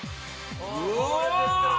うわ！